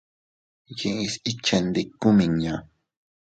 Yiʼis ikchendiku miña.